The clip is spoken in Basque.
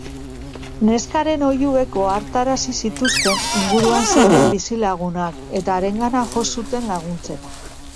Neskaren oihuek ohartarazi zituzten inguruan zeuden bizilagunak eta harengana jo zuten laguntzera.